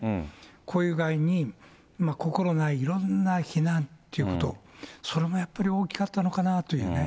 こういう具合に、心ないいろんな非難ということ、それもやっぱり大きかったのかなとね。